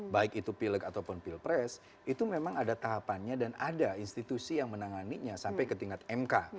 baik itu pileg ataupun pilpres itu memang ada tahapannya dan ada institusi yang menanganinya sampai ke tingkat mk